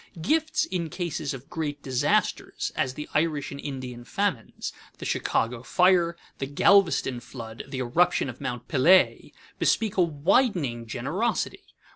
Gifts in cases of great disasters, as the Irish and Indian famines, the Chicago fire, the Galveston flood, the eruption of Mount Pelée, bespeak a widening generosity.